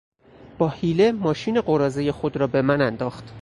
با حیله ماشین قراضهی خود را به من انداخت.